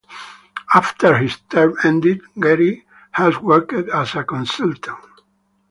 After his term ended, Gary has worked as a consultant.